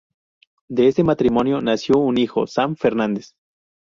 De este matrimonio nació un hijo, Sam Fernández.